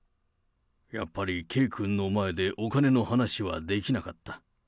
やっぱり圭君の前でお金の話はできなかった。